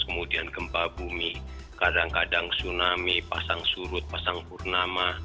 kemudian gempa bumi kadang kadang tsunami pasang surut pasang purnama